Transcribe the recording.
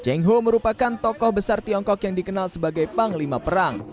cheng ho merupakan tokoh besar tiongkok yang dikenal sebagai panglima perang